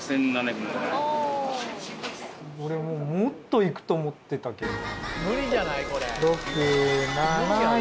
もっといくと思ってたけど。